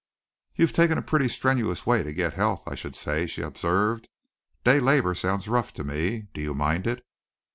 "You've taken a pretty strenuous way to get health, I should say," she observed. "Day labor sounds rough to me. Do you mind it?"